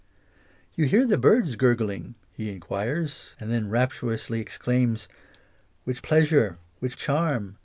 "You hear the bird's gurgling?" he enquires, and then rapturously exclaims " Which pleas ure ! which charm